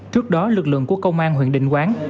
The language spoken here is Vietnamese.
trước đó lực lượng của công an huyện đình quảng